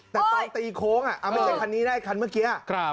แต่ตอนตีโค้งอ่ะเอาไม่ใช่คันนี้นะอีกคันเมื่อกี้อ่ะครับ